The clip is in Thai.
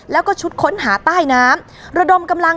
แล้วก็ไปซ่อนไว้ในคานหลังคาของโรงรถอีกทีนึง